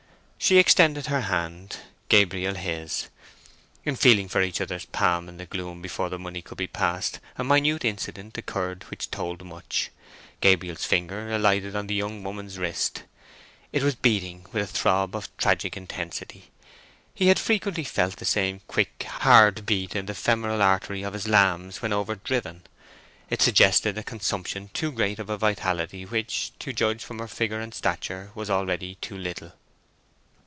She extended her hand; Gabriel his. In feeling for each other's palm in the gloom before the money could be passed, a minute incident occurred which told much. Gabriel's fingers alighted on the young woman's wrist. It was beating with a throb of tragic intensity. He had frequently felt the same quick, hard beat in the femoral artery of his lambs when overdriven. It suggested a consumption too great of a vitality which, to judge from her figure and stature, was already too little.